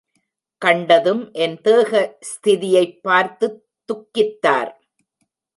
கண்டதும் என் தேக ஸ்திதியைப் பார்த்துத் துக்கித்தார்.